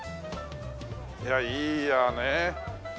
いやいいやね。